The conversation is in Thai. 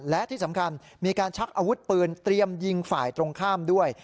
และที่สำคัญมีการชักอาวุธปืนเตรียมยิงฝ่ายตรงข้ามด้วย